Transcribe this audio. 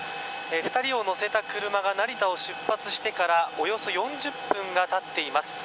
２人を乗せた車が成田を出発してからおよそ４０分が経っています。